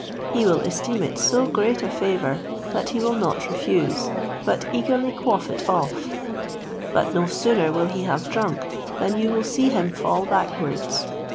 He will esteem it so great a favour that he will not refuse, but eagerly quaff it off; but no sooner will he have drunk, than you will see him fall backwards.